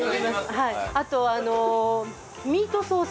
あとミートソース。